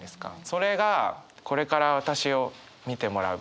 それがこれから私を見てもらうみたいな。